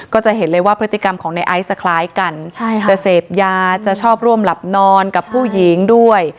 ก็จะเห็นเลยว่าพฤติกรรมของในไอซ์จะคล้ายกันจะเสพยาจะชอบร่วมหลับนอนกับผู้หญิงด้วย